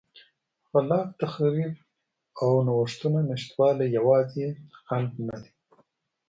خلاق تخریب او نوښتونو نشتوالی یوازینی خنډ نه دی.